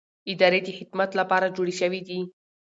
ادارې د خدمت لپاره جوړې شوې دي